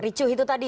ricuh itu tadi